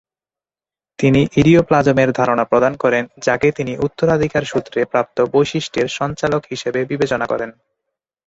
তিনি "ইডিওপ্লাজম"-এর ধারণা প্রদান করেন, যাকে তিনি উত্তরাধিকারসূত্রে প্রাপ্ত বৈশিষ্ট্যের সঞ্চালক হিসেবে বিবেচনা করেন।